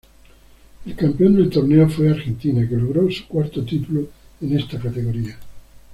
El campeón del torneo fue Argentina, que logró su cuarto título en esta categoría.